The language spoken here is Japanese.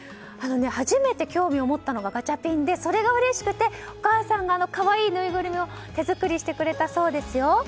初めて興味を持ったのがガチャピンでそれがうれしくて、お母さんが可愛いぬいぐるみを手作りしてくれたそうですよ。